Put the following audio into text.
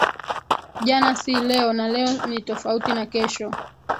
Jana si leo na leo ni tofauti na kesho